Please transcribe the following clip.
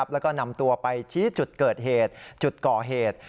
แล้วก็นำตัวไปชี้จุดเกิดเหตุจุดก่อเหตุ